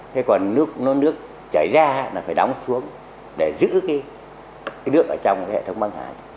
thế còn nước nó cháy ra là phải đóng xuống để giữ cái nước ở trong hệ thống bắc hưng hải